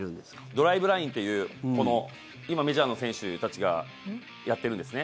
ドライブラインっていう今、メジャーの選手たちがやってるんですね。